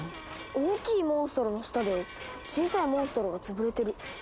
大きいモンストロの下で小さいモンストロが潰れてる。